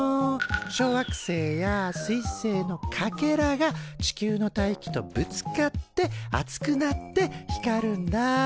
小惑星やすい星のかけらが地球の大気とぶつかって熱くなって光るんだ。